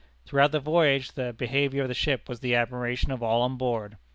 Throughout the voyage the behavior of the ship was the admiration of all on board.